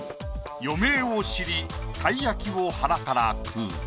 「余命を知りたい焼きを腹から食う」。